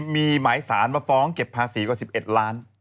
มีหมายสารมาฟ้องเก็บภาษีกว่า๑๑ล้าน